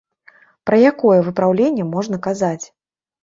Пра якое выпраўленне можна казаць?